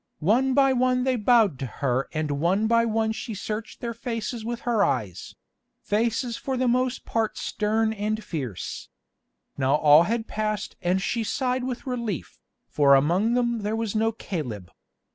One by one they bowed to her and one by one she searched their faces with her eyes—faces for the most part stern and fierce. Now all had passed and she sighed with relief, for among them there was no Caleb.